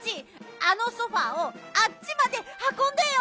あのソファーをあっちまではこんでよ。